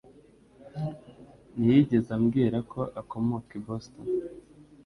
ntiyigeze ambwira ko akomoka i Boston.